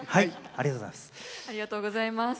ありがとうございます。